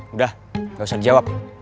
udah gak usah dijawab